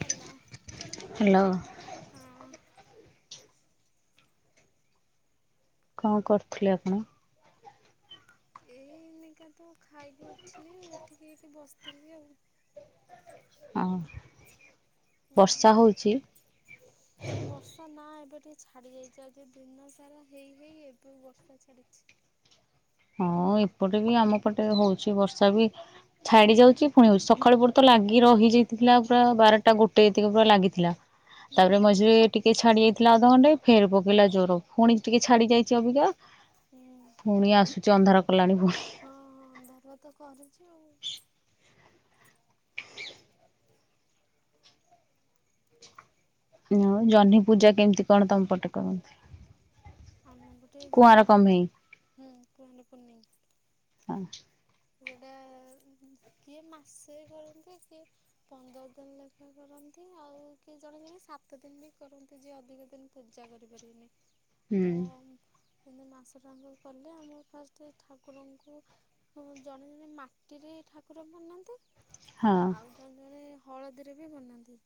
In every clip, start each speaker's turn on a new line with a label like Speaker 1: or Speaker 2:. Speaker 1: Hello.
Speaker 2: Hello.
Speaker 1: ହଁ
Speaker 2: କଣ କରୁଥିଲେ ଆପଣ।
Speaker 1: ଏଇନିକା ତ ଖାଇକି ଉଠିଲି ଉଠିକି ଏଇଠି ବସିଥିଲି ଆଉ।
Speaker 2: ଓହୋ।
Speaker 1: ହୁଁ।
Speaker 2: ହଁ [inaudible]
Speaker 1: ବର୍ଷା ନା ଏବେ ଟିକେ ଛାଡି ଯାଇଛି ଆଜି ଦିନ ସାରା ହେଇନି ହେଇ ଏବେ ବର୍ଷା ଛାଡିଛି।
Speaker 2: ହଁ ଏପଟେ ବି ଆମ ପଟେ ହଉଛି ବର୍ଷା ବି। ଛାଡି ଯାଉଛି ପୁଣି ହଉଛି ସକାଳୁ ପହରୁ ତ ଲାଗି ରହିଯାଇଥିଲା ପୁରା ବାରଟା ଗୋଟେ ଯେତିକି ପୁରା ଲାଗିଥିଲା। ତାପରେ
Speaker 1: ହୁଁ।
Speaker 2: ମଝିରେ ଟିକେ ଛାଡି ଯାଇଥିଲା ଅଧଘଣ୍ଟେ ଫେର ପକେଇଲା ଜୋର୍ ପୁଣି ଟିକେ ଛାଡି ଯାଇଛି ଅବିକା। ଓ [inaudible]
Speaker 1: ହୁଁ।
Speaker 2: ଅନ୍ଧାର କଲାଣି ପୁଣି।
Speaker 1: ଅନ୍ଧାର ତ କରିଛି ଆଉ।
Speaker 2: ହଁ [unintelligible] ହଉ ଜହ୍ନି ପୂଜା କେମିତି କଣ ତମ ପଟେ କରନ୍ତି।
Speaker 1: ଆମ ପଟେ
Speaker 2: କୁଆଁର
Speaker 1: ଜହ୍ନି
Speaker 2: କମେଇ
Speaker 1: ହୁଁ କୁଆଁର ପୂର୍ଣ୍ଣିମା।
Speaker 2: ଆଚ୍ଛା।
Speaker 1: ସେଇଟା କିଏ ମାସ କରନ୍ତି କିଏ ପନ୍ଦର ଦିନ ଲେଖା କରନ୍ତି ଆଉ କିଏ ଜଣେ ଜଣେ ସାତ ଦିନ ବି କରନ୍ତି ଯିଏ ଅଧିକ ଦିନ ପୂଜା କରିପାରିବିନି।
Speaker 2: [inaudible]
Speaker 1: ତ ସେମତି ମାସଟା ଆଙ୍କ ଆମର କଲେ ଆମର ଫାଷ୍ଟ ଠାକୁରଙ୍କୁ। ହଁ ଜଣେ ଜଣେ ମାଟିରେ ଠାକୁର ବନାନ୍ତି
Speaker 2: ହଁ
Speaker 1: ଆଉ ଜଣେ ଜଣେ ହଳଦୀରେ ବି ବନାନ୍ତି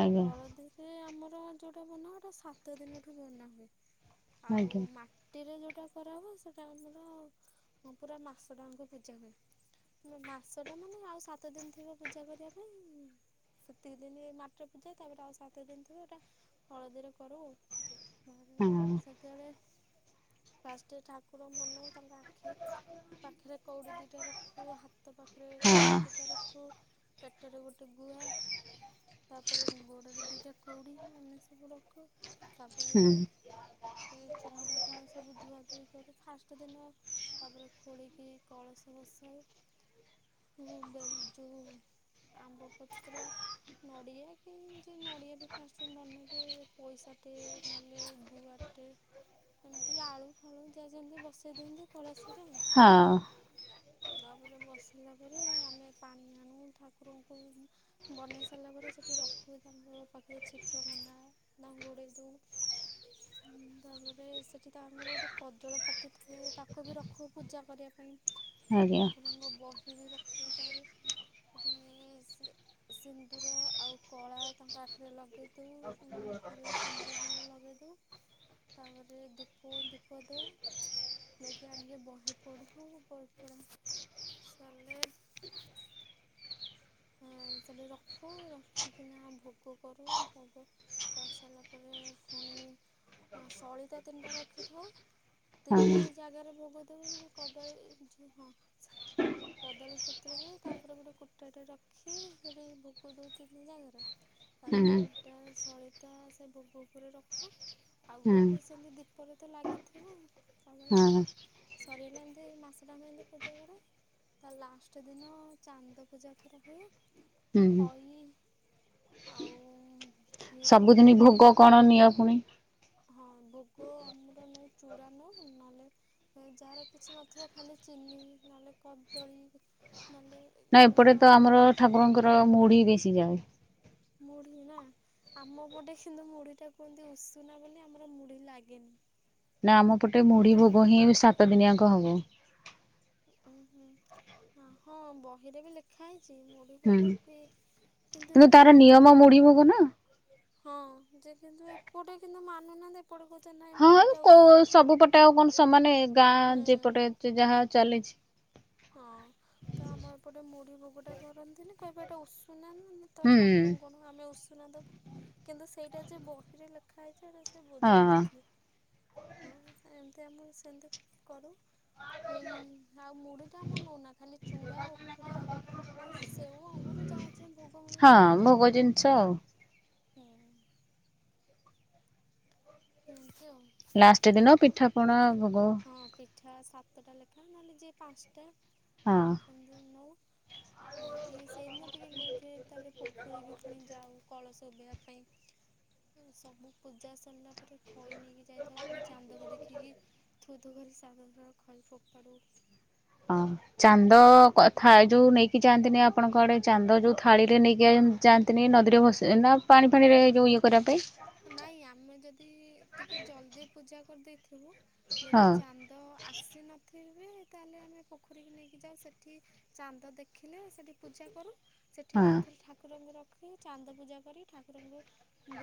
Speaker 2: ଆଜ୍ଞା
Speaker 1: ହଳଦୀ। ସେ ଆମର ଯେଉଁଟା ବନା ହୁଏ ସାତ ଦିନଠୁ ବନା ହୁଏ ଆଉ
Speaker 2: ଆଜ୍ଞା
Speaker 1: ମାଟି ମାଟିରେ ଯୋଉଟା କରା ହୁଏ ସେଟା ଆମର ପୁରା ମାସଟା ଆଙ୍କ ପୂଜା ହୁଏ। ମାସ ଟା ମାନେ ଆଉ ସାତ ଦିନ ଥିବ ପୂଜା କରିବା ପାଇଁ। ସେତିକି ଦିନ ମାଟିରେ ପୂଜା ତାପରେ ଆଉ ସାତ ଦିନ ଥିବ ସେଟା ହଳଦୀରେ କରୁ ଆଉ। ଆ
Speaker 2: ହଁ
Speaker 1: ସେତେବେଳେ ଫାଷ୍ଟ ଠାକୁର ବନୟୁ। ତାଙ୍କ ଆଖି ପାଖରେ କଉଡ଼ି ଦୁଇଟା ରଖୁ ହାତ ପାଖରେ କଉଡ଼ି
Speaker 2: ହଁ
Speaker 1: ଦୁଇଟା ରଖୁ। ପେଟରେ ଗୋଟେ ଗୁଆ। ତାପରେ ଗୋଡ଼ରେ ଦୁଇଟା କୋଉଡ଼ି ଏମିତି ସବୁ ରଖୁ ତାପରେ
Speaker 2: ହୁଁ
Speaker 1: ତାପରେ ଚଉଁରା ଫଉଁରା ସବୁ ଧୁଆଧୁଇ କରୁ ଫାଷ୍ଟ ଦିନ ତାପରେ ଖୋଳିକି କଳସ ବସଉ ହଁ ବେଲ ଯୋଉ ଆମ୍ବପତ୍ର। ନଡ଼ିଆ କି ଯିଏ ନଡ଼ିଆ ବି ଫାଷ୍ଟ ନନେବେ ପଇସାଟେ ନହେଲେ ଗୁଆ ଟେ ଏମିତି ଯାହା ହେଲେ ଫଳ ଯିଏ ଯେମିତି ବସେଇ ଦିଅନ୍ତି କଳସିରେ ଆଉ।
Speaker 2: ହଁ।
Speaker 1: ତାପରେ ବସେଇଲା ପରେ ବସିଲା ପରେ ଆମେ ପାଣି ଆଣୁ ଠାକୁରଙ୍କୁ ବନେଇ ସାରିଲା ପରେ ସେଇଠି ରଖୁ ତାଙ୍କ ପାଖରେ ଛିଟ କନା ତାଙ୍କୁ ଘୋଡ଼ାଇ ଦୋଉ
Speaker 2: ହଁ [inaudible]
Speaker 1: ହଁ ତାପରେ ସେଠି ତାଙ୍କର ଗୋଟେ କଜଳପାତି ଥାଏ ତାକୁ ବି ରଖୁ ପୂଜା କରିବା ପାଇଁ ତାରେ
Speaker 2: ଆଜ୍ଞା
Speaker 1: ଠାକୁରଙ୍କ ବହି ବି ରଖୁ ତାରେ ସେଠି ସେ ସିନ୍ଦୁର ଆଉ କଳା ତାଙ୍କ ଆଖିରେ ଲଗେଇଦେଉ ତାଙ୍କ ମଥା ରେ ସିନ୍ଦୁର ଫିନ୍ଦୁର ଲଗେଇଦୋଉ ତାପରେ ଧୂପ ଦୀପ ଦୋଉ ଦେଇକି ଆଣିକି ବହି ପଢ଼ି। ଢୁ ବହି ଫଢା ସରିଲେ ହେଁ ସେଠି ରଖୁ ରଖିକିନା ଭୋଗ କରୁ ଭୋଗ କରିସାରିଲା ପରେ ପୁଣି ଆଁ ସଳିତା ତିନିଟା ରଖିଥାଉ
Speaker 2: ହଁ
Speaker 1: ତିନି ଜାଗାରେ ଭୋଗ ଦବୁ ମାନେ କଦଳୀ ଝୁ ହଁ। କଦଳୀପତ୍ରରେ ତାପରେ ଗୋଟେ କୁଟାଟେ ରଖ ଖୀ ହେଠି ଭୋଗ ଦଉ ତିନି ଜାଗାରେ
Speaker 2: ହୁଁ
Speaker 1: ତାପରେ
Speaker 2: ହୁଁ
Speaker 1: ତିନିଟା ସଳିତା ସେ ଭୋଗ ଉପରେ ରଖୁ ଆଉ ଗୋଟେ ସେମିତି ଦୀପରେ ତ ଲାଗିଥିବ ତା ପରେ
Speaker 2: ହଁ
Speaker 1: ଏମିତି ସରିଗଲା ଏମିତି ମାସଟାଙ୍କ ଏମିତି ପୂଜା କରେ ତା ଲାଷ୍ଟ ଦିନ ଚାନ୍ଦ ପୂଜା ପୂଜା ହୁଏ
Speaker 2: ହୁଁ
Speaker 1: ଖଇ ଆଉ କ୍ଷୀର
Speaker 2: ସବୁଦିନି
Speaker 1: ଫିର
Speaker 2: ଭୋଗ କଣ ନିଅ ପୁଣି?
Speaker 1: ହଁ ଭୋଗ ଆମର ନଉ ଚୂଡ଼ା ନଉ ନହେଲେ ଯାହାର କିଛି ନଥିବ ଖାଲି ଚିନି ନହେଲେ କଦଳୀ ନହେଲେ
Speaker 2: ନା ଏପଟେ
Speaker 1: ଗୁଡ଼
Speaker 2: ତ ଆମର ଠାକୁରଙ୍କର ମୁଢି ବେଶି ଯାଏ।
Speaker 1: ମୁଢି ନା। ଆମ ପଟେ କିନ୍ତୁ ମୁଢି ଟା କୁହନ୍ତି ଉଷୁନା ବୋଲି ଆମର ମୁଢି ଲାଗେନି।
Speaker 2: ନା ଆମ ପଟେ ମୁଢି ଭୋଗ ହିଁ ସାତ ଦିନିଆଙ୍କ ହବ।
Speaker 1: ଉଁ ହୁଁ ହଁ ବହିରେ ବି ଲେଖା ହେଇଚି ମୁ ଢ଼ି
Speaker 2: ହୁଁ
Speaker 1: ଭୋଗ ହୁଏ କିନ୍ତୁ ହେଲେ
Speaker 2: ତାର ନିୟମ
Speaker 1: ଆମର
Speaker 2: ମୁଢି ଭୋଗ ନା?
Speaker 1: ହଁ ଯେ କିନ୍ତୁ ଏପଟେ କିନ୍ତୁ ମାନୁନାହାନ୍ତି ଏ ଟେ କହୁଚନ୍ତି ନା
Speaker 2: ହଁ କଉ ସବୁପଟେ ଆଉ କଣ ସମାନେ ଗାଁ ଯେ ପଟେ ଯାହା ଚାଲିଛି।
Speaker 1: ହଁ ତ ଆମ ଏପଟେ ମୁଢି ଭୋଗଟା କରନ୍ତିନି କହିବେ ଏଟା ଉଷୁନା ନା ତ
Speaker 2: ହୁଁ
Speaker 1: ଠାକୁରଙ୍କୁ ଆମେ ଉସୁନା ଦେବୁ କିନ୍ତୁ ସେଇଟା ଯେ ବହିରେ ଲେଖା ହେଇଚି ସେଟା ସେ
Speaker 2: ହଁ
Speaker 1: ବୁଝନ୍ତି ସେ ହଁ ଏମିତି ଆମ ସେମିତି କରୁ ଏଇ ଆଉ ସେଟା ଆମ ନେଉନା ଖାଲି ଚୁଡ଼ା ଉଖୁଡ଼ା ହଉ ସେଓ ଆଙ୍ଗରୁ ଯାହାଯିଏ ଭୋଗ ମିଳିବ
Speaker 2: ହଁ
Speaker 1: ଯିଏ
Speaker 2: ଭୋଗ
Speaker 1: ଯାହା
Speaker 2: ଜିନିଷ
Speaker 1: ନେବ ଆଉ। ହୁଁ। ଏମିତି ଆଉ।
Speaker 2: ଲାଷ୍ଟ ଦିନ ପିଠାପଣା ଭୋଗ।
Speaker 1: ହଁ ପିଠା ସାତଟା ଲେଖା ନହେଲେ ଯିଏ ପାଞ୍ଚଟା।
Speaker 2: ହଁ।
Speaker 1: ଏମିତି ନଉ ସେଇଦିନ ଟିକେ ଲେଟରେ ତା ପୋଖରୀକି ଯାଉ। କଳସ ଉଭେଇ ପାଇଁ ସବୁ ପୂଜା ସରିଲା। ପରେ ଖଇ ନେଇକି ଯାଇଥାଉ ପୁଣି ଚାନ୍ଦାକୁ ଦେଖିକି ଥୁଥୁ କରି ସାବୁନର ଖଇ ଫୋପାଡ଼ୁ
Speaker 2: ହଁ। ଚାନ୍ଦ କଥା ଯୋଉ ନେଇକି ଯାଆନ୍ତିନି ଆପଣଙ୍କଆଡେ ଚାନ୍ଦ ଯୋଉ ଥାଳିରେ ନେଇକି ଯାଆନ୍ତିନି ନଦୀରେ ଭସ ନା ପାଣି ଫାଣିରେ ଯୋଉ ଇଏ କରିବା ପାଇଁ
Speaker 1: ନାଇଁ ଆମେ ଯଦି ଟିକେ ଜଲଦି ପୂଜା କରିଦେଇଥିବୁ ଯଦି
Speaker 2: ହଁ
Speaker 1: ଚାନ୍ଦ ତ ଆସିନଥିବି ତାଲେ ଆମେ ପୋଖରୀକୁ ନେଇକି ଯାଉ ସେଠି ଚାନ୍ଦ ଦେଖିଲେ ସେଠି ପୂଜା କରୁ ସେଠି
Speaker 2: ହଁ
Speaker 1: ବି ଆଉଥରେ ଠାକୁରଙ୍କୁ ରଖି ଚାନ୍ଦ ପୂଜା କରି ଠାକୁରଙ୍କୁ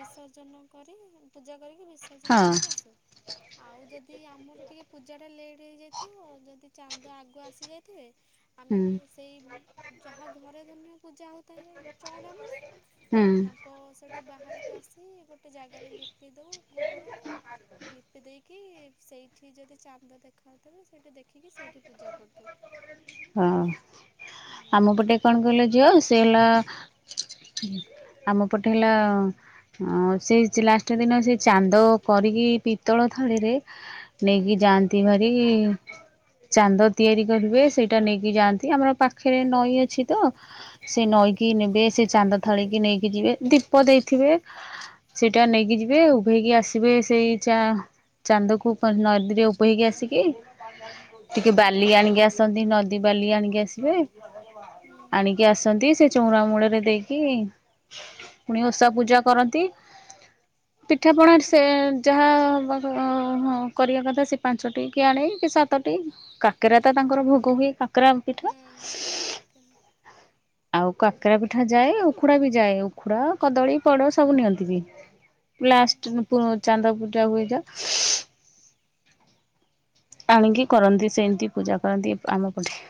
Speaker 1: ବିସର୍ଜ କିର୍ତ୍ତନ କରି ପୂଜା କରିକି ବିସର୍ଜନ
Speaker 2: ହଁ
Speaker 1: କରିକି ଆସୁ। ଆଉ ଯଦି ଆମର ଟିକେ ପୂଜାଟା ଲେଟ୍ ହେଇଯାଇଥିବ ଯଦି ଚାନ୍ଦ ଆଗକୁ ଆସିଯାଇଥିବେ ଆମେ
Speaker 2: ହୁଁ
Speaker 1: ସେଇ ଯାହା ଘରେ ଧନ୍ୟ ପୂଜା ହଉଥାଏ ଚଉଁରାମୂଳେ
Speaker 2: ହୁଁ।
Speaker 1: ହଁ ସେଠୁ ବାହାରକୁ ଆସି ଗୋଟେ ଜାଗାରେ ଲିପି ଦେଉ ଗୋବରରେ ଲିପି ଦେଇକି ସେଇଠି ଯଦି ଚାନ୍ଦ ଦେଖାଯାଉଥିବେ ସେଇଠି ଦେଖିକି ସେଇଠି ପୂଜା କରିଦଉ।
Speaker 2: ହଁ
Speaker 1: ହୁଁ
Speaker 2: ଆମ ପଟେ କଣ କହିଲ ଝିଅ ସେ ହେଲା ଆମ ପଟେ ହେଲା ସେଇ ଲାଷ୍ଟ ଦିନ ସେ ଚାନ୍ଦ କରିକି ପିତ୍ତଳ ଥାଳିରେ
Speaker 1: ହୁଁ
Speaker 2: ନେଇକି ଯାଆନ୍ତି
Speaker 1: ପିତଳ
Speaker 2: ଭାରି
Speaker 1: ଥାଳି
Speaker 2: ଚାନ୍ଦ ତିଆରି କରିବେ ସେଇଟା ନେଇକି ଯାଆନ୍ତି ଆମର ପାଖରେ ନଈ ଅଛି ତ ସେ
Speaker 1: ହୁଁ
Speaker 2: ନଈକି ନେବେ ସେ ଚାନ୍ଦ ଥାଳିକି ନେଇକି ଯିବେ ଦୀପ ଦେଇଥିବେ ସେଇଟା
Speaker 1: ହୁଁ।
Speaker 2: ନେଇକି ଯିବେ ଉଭେଇକି ଆସ ଯିବେ ସେଇ ଚା ଚାନ୍ଦକୁ ନଦୀରେ ଉପେଇକି ଆସିକି ଟିକେ
Speaker 1: ହୁଁ।
Speaker 2: ବାଲି ଆଣିକି ଆସନ୍ତି ନଦୀ ବାଲି ଆଣିକି ଆସିବେ
Speaker 1: ହୁଁ ହୁଁ
Speaker 2: ଆଣିକି ଆସନ୍ତି ସେ ଚଉରା ମୂଳରେ ଦେଇକି ପୁଣି ଓଷା ପୂଜା କରନ୍ତି। ପିଠାପଣା ସେ ଯାହା ହିଁ କରିବା କଥା ସେ ପାଞ୍ଚଟି କିଏ ଆନେ କିଏ ସାତଟି। କାକେରା ତ ତାଙ୍କର ଭୋଗ ହୁଏ କାକେରା ପିଠା
Speaker 1: ଚାକ [unintelligible]
Speaker 2: ଆଉ କାକେରା ପିଠା ଯାଏ ଉଖୁଡା ବି ଯାଏ ଉଖୁଡା କଦଳୀ ପୋଡ ସବୁ ନିଅନ୍ତି ବି। ଲାଷ୍ଟ
Speaker 1: ହୁଁ।
Speaker 2: ଚାନ୍ଦ ପୂଜା ହୁଏଯାଉ। ଆଣିକି କରନ୍ତି ସେମିତି ପୂଜା କରନ୍ତି ଆମ ପଠେ।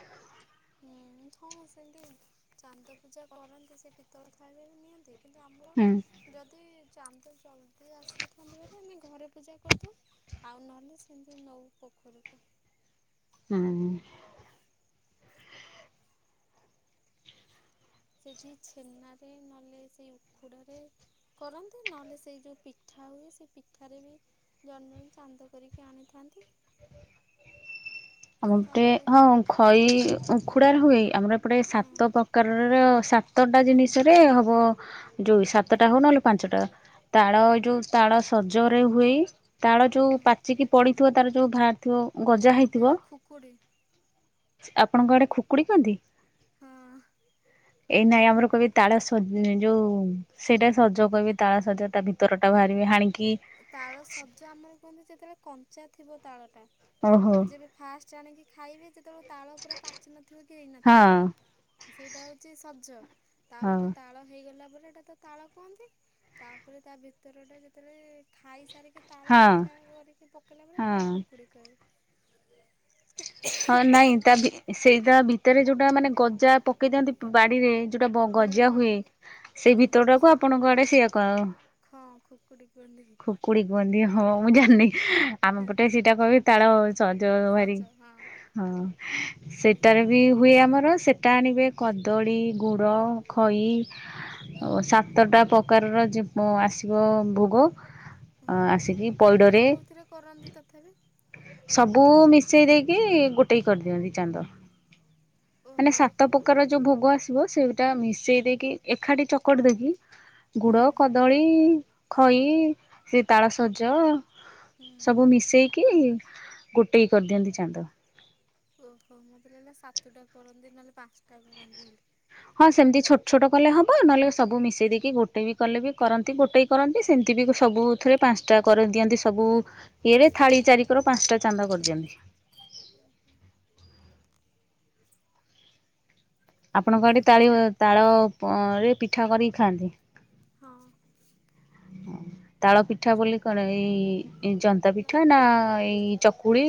Speaker 1: ହୁଁ। ହଁ ସେମିତି ଚାନ୍ଦ ପୂଜା କରନ୍ତି ସେ ପିତ୍ତଳ ଥଳିରେ ବି ନିଅନ୍ତି କିନ୍ତୁ ଆମର
Speaker 2: ହୁଁ
Speaker 1: ଯଦି ଚାନ୍ଦ ଜଲଦି ଆସିଥାନ୍ତେ ଭାରି ଆମେ ଘରେ ପୂଜା କରିଦଉ। ଆଉ ନହେଲେ ସେମିତି ନଉ ପୋଖରୀକୁ।
Speaker 2: ହୁଁ।
Speaker 1: ସେଠି ଛେନାରେ ନହେଲେ ସେଇ ଉଖୁଡା ରେ କରନ୍ତି ନହେଲେ ସେଇ ଯେଉଁ ପିଠା ହୁଏ ସେ ପିଠାରେ ବି ଜଣେ ଜଣେ ଚାନ୍ଦ କରିକି ଆଣିଥାନ୍ତି। ଆଉ
Speaker 2: ଏଟେ ହଁ
Speaker 1: କେଉଁଥି
Speaker 2: ଖଇ ଉଖୁଡା ହୁଏ ଆମର ଏପଟେ
Speaker 1: ହଁ।
Speaker 2: ସାତ ପ୍ରକାର ସାତଟା ଜିନିଷରେ ହବ ଯୋଉ ସାତଟା ହଉ ନହେଲେ ପାଞ୍ଚଟା ତାଳ ଏ ଯୋଉ ତାଳ ସଜରେ ହୁଏ। ତାଳ
Speaker 1: ହଁ
Speaker 2: ଯୋଉ ପାଚିକି ପଡିଥିବ ତାର ଯୋଉ ବାହାରିଥିବ। ଗଜା ହେଇଥିବ
Speaker 1: ଏଇ ଯୋଉ ଖୁକୁଡି଼।
Speaker 2: ଆପଣଙ୍କ ଆଡ଼େ ଖୁକୁଡି କୁହନ୍ତି?
Speaker 1: ହଁ।
Speaker 2: ଏଇ ନାଇଁ ଆମର କହିବି ତାଳ ସ ନା ଯୋଉ ସେଇଟା ସଜ କହିବେ ତାଳ ସଜ ତା ଭିତର ଟା ବାହାରି ବେ ହାଣିକି।
Speaker 1: ତାଳ ସଜ ଆମର କୁହନ୍ତି ଯେତେବେଳେ କଞ୍ଚା ଥିବ ତାଳ ଟା
Speaker 2: ଓହୋ
Speaker 1: ଯେବେ ଫାଷ୍ଟ ଆଣିକି ଖାଇବେ ଯେତେବେଳେ ତାଳ ପୁରା ପାଚି ନଥିବ କି
Speaker 2: ହଁ
Speaker 1: ହେଇନଥିବ। ସେଇଟା ହୋଉଛି ସଜ
Speaker 2: ହଁ
Speaker 1: ତାପରେ ତାଳ ହେଇଗଲା ପରେ ଏଇଟା ତ ତାଳ କୁହନ୍ତି ତାପରେ ତା ଭିତରଟା ଯେତେବେଳେ ଖାଇସାରିକି ତାଳ
Speaker 2: ହଁ
Speaker 1: ପିଠା କରିକି ପକେଇଲାବେଳେ
Speaker 2: ହଁ
Speaker 1: ହେଟାକୁ ଖୁକୁଡ଼ି କହିବେ।
Speaker 2: ହଁ ନାଇଁ ତା ଭି ସେଇ ତା ଭିତରେ ଯୋଉଟା ମାନେ ଗଜା ପକେଇ ଦିଅନ୍ତି ପ୍ ବାଡ଼ିରେ। ଯୋଉଟା ବ
Speaker 1: ହୁଁ
Speaker 2: ଗଜା
Speaker 1: ହୁଁ
Speaker 2: ହୁଏ ସେଇ ଭିତର ଟାକୁ ଆପଣଙ୍କ ଆଡ଼େ ସେଇଆ କ
Speaker 1: ଖଁ ଖୁକୁଡ଼ି କୁହନ୍ତି।
Speaker 2: କୁଡି଼ କୁହନ୍ତିି ହଁ ମୁଁ ଜାଣିନି ଆମ
Speaker 1: ହଁ
Speaker 2: ପଟେ ସେଇଟା କହିବେ ତାଳ ସଜ ଭାରି।
Speaker 1: ସଜ ହଁ
Speaker 2: ହଁ
Speaker 1: ସେଇ
Speaker 2: ସେଟାରେ ବି ହୁଏ ଆମର ସେଟା ଆଣିବେ କଦଳୀ ଗୁଡ଼ ଖଇ
Speaker 1: ହଁ
Speaker 2: ଓ ସାତଟା ପକାର ର ଯିବ ଆସିବ ଭୋଗ। ଅଁ
Speaker 1: ହଁ
Speaker 2: ଆସିକି ପଇଡ଼ରେ
Speaker 1: କେଉଁଥିରେ କେଉଁଥିରେ କରନ୍ତି ତଥାପି
Speaker 2: ସବୁ ମିଶେଇ ଦେଇକି ଗୋଟେ କି କରିଦିଅନ୍ତି ଚାନ୍ଦ। ମାନେ
Speaker 1: ଓହୋ
Speaker 2: ସାତ ପକାର ର ଯୋଉ ଭୋଗ ଆସିବ ସେଇଟା ମିଶେଇ ଦେଇକି ଏକାଠି ଚକଟି ଦେଇକି ଗୁଡ଼
Speaker 1: ହଁ
Speaker 2: କଦଳୀ ଖଇ ସେ ତାଳସଜ
Speaker 1: ହୁଁ
Speaker 2: ସବୁ ମିଶେଇକି ଗୋଟେକି କରିଦିଅନ୍ତି ଚାନ୍ଦ।
Speaker 1: ଓହୋ ମତେ ଲାଗିଲା ସାତଟା କରନ୍ତି ନହେଲେ ପାଞ୍ଚଟା କରନ୍ତି ବୋଲି।
Speaker 2: ହଁ ସେମିତି ଛୋଟ ଛୋଟ କଲେ ହବ ନହେଲେ ସବୁ ମିଶେଇ ଦେଇକି ଗୋଟେ ବି କଲେ ବି କରନ୍ତି ଗୋଟେଇ କରନ୍ତି ସେମିତି ବି ସବୁଥିରେ ପାଞ୍ଚଟା କରି ଦିଅନ୍ତି ସବୁ
Speaker 1: ହୁଁ।
Speaker 2: ଇଏରେ ଥାଳି ଚାରିିକର ପାଞ୍ଚଟା ଚାନ୍ଦ କରିଦିଅନ୍ତି। ଆପଣଙ୍କ ଆଡ଼େ ତାଳି ତାଳ ପରେ ପିଠା କରିକି ଖାଆନ୍ତି?
Speaker 1: ହଁ।
Speaker 2: [inaudible] ତାଳ ପିଠା
Speaker 1: ଛୋ
Speaker 2: ବୋଲି କଣ ଏଇ ଇଁ ଜନ୍ତା ପିଠା ନା ଏଇ ଚକୁଳି।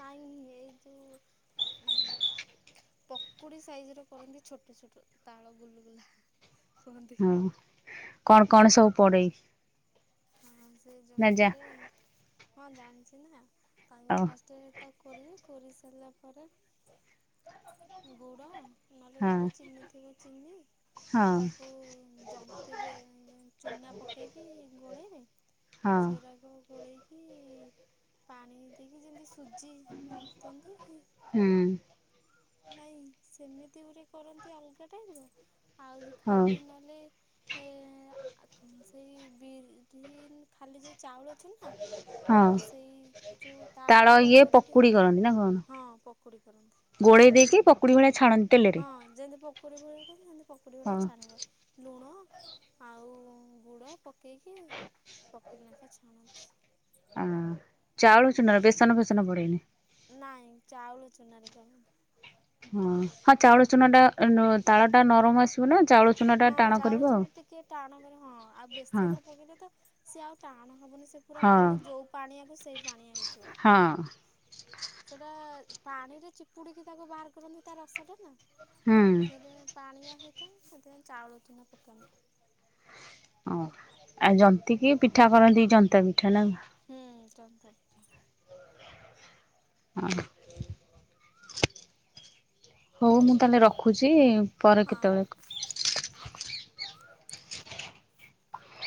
Speaker 1: ନାଇଁ ଏଇ ଯୋଉ ଉଁ ପକୁଡ଼ି ସାଇଜି ର କରନ୍ତି ଛୋଟ ଛୋଟ ତାଳ ଗୁଲଗୁଲା।
Speaker 2: ହୁଁ କଣ କଣ ସବୁ ପଡ଼େଇ?
Speaker 1: ହଁ ସେଇ ଜନ୍ତା ରେ ହଁ ଜାଣିଛି ନା ତାକୁ
Speaker 2: ଓ
Speaker 1: ଫାଷ୍ଟ ଟେ ତାକୁ କୋରିବି କୋରି ସାରିଲା ପରେ ଗୁଡ଼ ନହେଲେ
Speaker 2: ହଁ
Speaker 1: ଯାହାର ଚିନି ଥିବ ଚିନି
Speaker 2: ହଁ
Speaker 1: ତାକୁ ଜନ୍ତି ବେ ଯେ [unintelligible] ଚୂନା ପକେଇକି ଗୋଳେଇବେ।
Speaker 2: ହଁ
Speaker 1: ସେରାକ ଗଳେଇ କି ପାଣି ଦେଇକି ଯେମିତି ସୁଜି ଜନ୍ତନ୍ତି।
Speaker 2: ହୁଁ।
Speaker 1: ନାଇଁ ସେମିତି ଗୁରେ କରନ୍ତି ଅଲଗା ଟାଇପ ର ଆଉ
Speaker 2: ହଁ
Speaker 1: ଖାଲି ନହେଲେ ହେ ଆ ସେଇ ବିରି ନ୍ ଖାଲି ଯଦି ଚାଉଳ ଚୁନା
Speaker 2: ହଁ
Speaker 1: ଆଉ ସେଇ ଯୋଉ ତାଳ ଯୋଉରା କୋର
Speaker 2: ପକୁଡ଼ି କରନ୍ତି ନା କଣ?
Speaker 1: ହଁ, ପକୁଡ଼ି କରନ୍ତି‌।
Speaker 2: ଗୋଳେଇ ଦେଇକି ପ
Speaker 1: ହଁ ଯେମିତି ପକୁଡି ଭଳିଆ କରନ୍ତି ହେନ୍ତି ପକୁଡି
Speaker 2: ହଁ।
Speaker 1: ଭଳିଆ ଛାଣିବ। ଲୁଣ ଆଉ ଗୁଡ଼ ପକେଇକି, ପକୁଡି ନାଖେ ଛାଣନ୍ତି।
Speaker 2: ହଁ, ଚାଉଳ ଚୁନା ବେସନ ଫେସନ ପଡେନି।
Speaker 1: ନାଇଁ, ଚାଉଳ ଚୁନାରେ କରନ୍ତି।
Speaker 2: ହଁ, ହଁ, ଚାଉଳ ଚୁନାଟା ନ ତାଳଟା ନରମ ଆସିବ ନା ଚାଉଳ ଚୁନା ଟା
Speaker 1: ହଁ,
Speaker 2: ଟାଣ କରିବ
Speaker 1: ଚାଉଳ
Speaker 2: ଆଉ।
Speaker 1: ଚୁନା ଟିକେ ଟାଣ କରେ ହଁ, ଆଉ
Speaker 2: ହଁ
Speaker 1: ବେସନରେ ପକେଇଲେ ତ ସିଏ ଆଉ ଟାଣ ହବନି। ସେ ପୁରା
Speaker 2: ହଁ
Speaker 1: ଫୁଣି ଯଉ ପାଣିଆକୁ ସେଇ ପାଣିଆ
Speaker 2: ହଁ
Speaker 1: ହେଇଯିବ। ସେଟା ପାଣିରେ ଚିପୁଡିକି ତାକୁ ବାହାର କରନ୍ତି ତା ରସଟା ନା।
Speaker 2: ହୁଁ
Speaker 1: ସେଟା ପାଣିଆ ହେଇଥାଏ ସେଥିପାଇଁ ଚାଉଳ ଚୁନା ପକାନ୍ତି।
Speaker 2: ହଁ, ଆଉ ଜନ୍ତିକିି ପିଠା କରନ୍ତି ଜନ୍ତା ପିଠା ନାକଣ?
Speaker 1: ହୁଁ, ଜନ୍ତା ପିଠା।
Speaker 2: ହଁ। ହଉ, ମୁଁ ତାହେଲେ ରଖୁଛି ପରେ
Speaker 1: ହଁ।
Speaker 2: କେତେବେଳେ କ
Speaker 1: ନା।